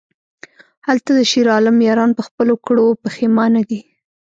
هلته د شیرعالم یاران په خپلو کړو پښیمانه دي...